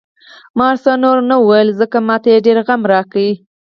ما نور څه ونه ویل، ځکه ما ته یې ډېر غم راکړ.